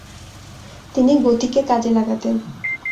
তিনি গতিকে কাজে লাগাতেন।